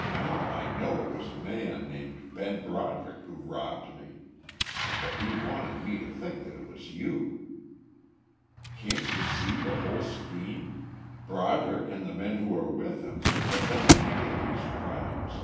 Now I know it was a man named Ben Broderick who robbed me, and that he wanted me to think that it was you. "Can't you see the whole scheme? Broderick and the men who are with him, have been committing these crimes.